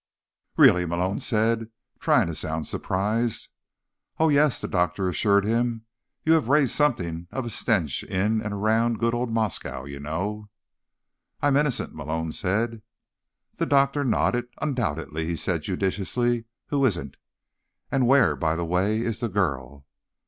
"Really?" Malone said, trying to sound surprised. "Oh, yes," the doctor assured him. "You have raised something of a stench in and around good old Moscow, you know." "I'm innocent," Malone said. The doctor nodded. "Undoubtedly," he said judiciously. "Who isn't? And where, by the way, is the girl?"